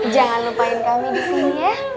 jangan lupain kami disini ya